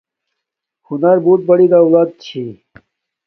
ہنر بوت بڑی دولت چھی